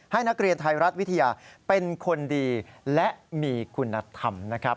ให้นักเรียนไทยรัฐวิทยาเป็นคนดีและมีคุณธรรมนะครับ